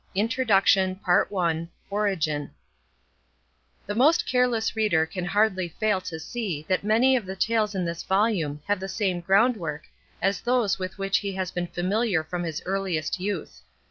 INTRODUCTION ORIGIN The most careless reader can hardly fail to see that many of the Tales in this volume have the same groundwork as those with which he has been familiar from his earliest youth.